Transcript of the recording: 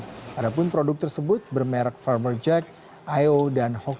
padahal produk tersebut bermerk farmer jack ayo dan hoki